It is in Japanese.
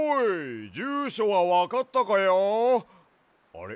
あれ？